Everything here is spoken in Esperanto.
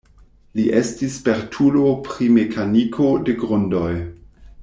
Li estis spertulo pri mekaniko de grundoj.